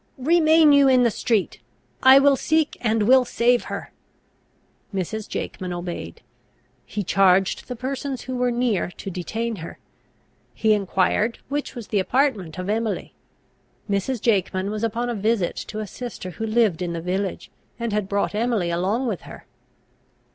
"Remain you in the street! I will seek, and will save her!" Mrs. Jakeman obeyed. He charged the persons who were near to detain her; he enquired which was the apartment of Emily. Mrs. Jakeman was upon a visit to a sister who lived in the village, and had brought Emily along with her.